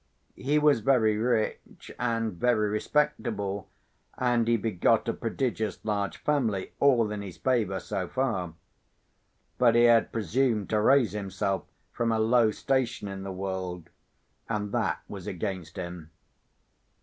He was very rich and very respectable, and he begot a prodigious large family—all in his favour, so far. But he had presumed to raise himself from a low station in the world—and that was against him.